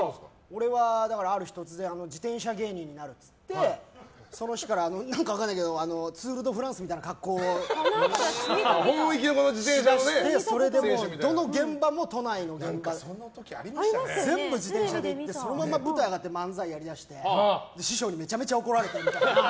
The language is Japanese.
俺はある日突然自転車芸人になるって言ってその日からツールドフランスみたいな格好をしてそれで、どの現場も都内の現場全部自転車で行ってそのまま舞台に上がって漫才やり始めて師匠にめちゃめちゃ怒られて。